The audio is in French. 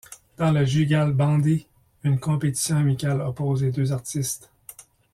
Dans le jugalbandi, une compétition amicale oppose les deux artistes.